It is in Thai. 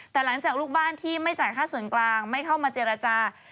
แต่หลังจากลูกบ้านที่ไม่จ่ายค่าส่วนกลางไม่เข้ามาเจรจา